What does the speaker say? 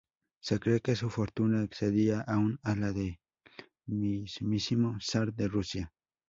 Se cree que su fortuna excedía aun a la del mismísimo zar de Rusia.